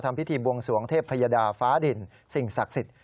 พิธีบวงสวงเทพยดาฟ้าดินสิ่งศักดิ์สิทธิ์